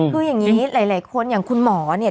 คืออย่างนี้หลายคนอย่างคุณหมอเนี่ย